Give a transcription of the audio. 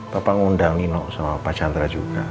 bapak ngundang nino sama pak chandra juga